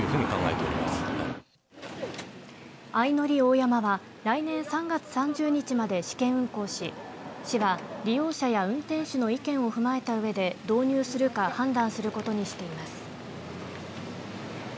あいのり大山は来年３月３０日まで試験運行し市は利用者や運転手の意見を踏まえたうえで導入するか判断することにしています。